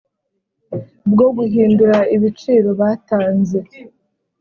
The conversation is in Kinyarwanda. bwo guhindura ibiciro batanze